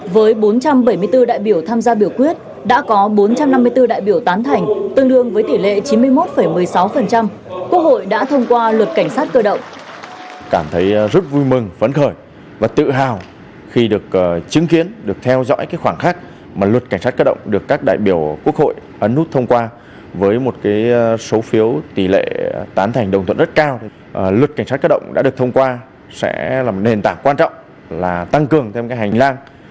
với bốn trăm bảy mươi bốn đại biểu tham gia biểu quyết đã có bốn trăm năm mươi bốn đại biểu tán thành tương đương với tỷ lệ chín mươi một một mươi sáu quốc hội đã thông qua luật cảnh sát cơ động